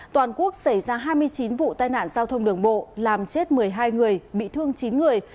toàn quốc xảy ra hai mươi chín vụ tai nạn giao thông đường bộ làm chết một mươi hai người bị thương chín người